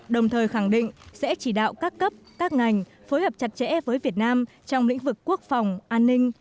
đồng thời khẳng định sẽ chỉ đạo các cấp các ngành phối hợp chặt chẽ với việt nam trong lĩnh vực quốc phòng an ninh